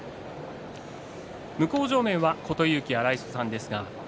向正面は琴勇輝の荒磯さんです。